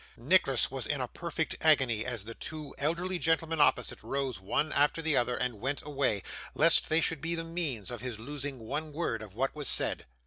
Nicholas was in a perfect agony as the two elderly gentlemen opposite, rose one after the other and went away, lest they should be the means of his losing one word of what was said.